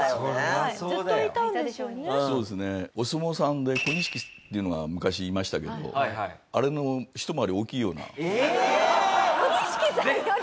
お相撲さんで小錦っていうのが昔いましたけどあれの一回り大きいような。ええーっ！？